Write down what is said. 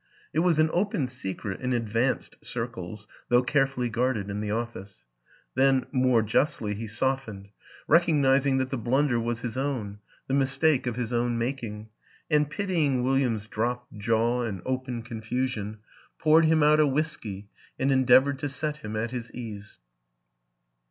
(It was an open secret in " advanced " circles, though care fully guarded in the office.) Then, more justly, he softened, recognizing that the blunder was his own, the mistake of his own making and, pity ing William's dropped jaw and open confusion, WILLIAM AN ENGLISHMAN 13 poured him out a whisky and endeavored to set him at his ease.